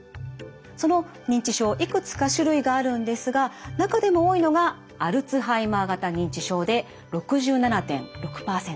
その認知症いくつか種類があるんですが中でも多いのがアルツハイマー型認知症で６７．６％。